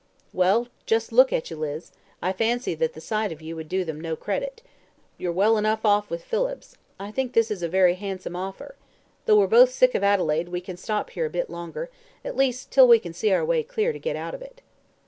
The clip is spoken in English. "Well, just look at you, Liz. I fancy that the sight of you would do them no credit. You're well enough off with Phillips. I think this is a very handsome offer. Though we're both sick of Adelaide, we can stop here a bit longer at least, till we can see our way clear to get out of it."